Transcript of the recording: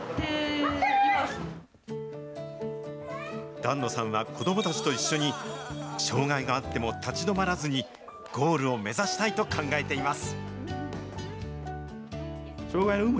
檀野さんは子どもたちと一緒に、障害があっても立ち止まらずに、ゴールを目指したいと考えています。